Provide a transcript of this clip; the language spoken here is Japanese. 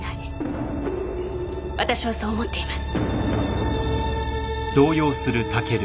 私はそう思っています。